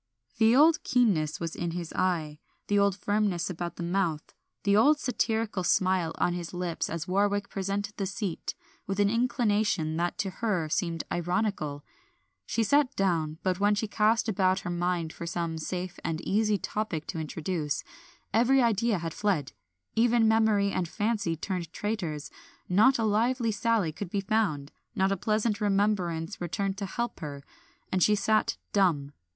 The old keenness was in his eye, the old firmness about the mouth, the old satirical smile on his lips as Warwick presented the seat, with an inclination that to her seemed ironical. She sat down, but when she cast about her mind for some safe and easy topic to introduce, every idea had fled; even memory and fancy turned traitors; not a lively sally could be found, not a pleasant remembrance returned to help her, and she sat dumb.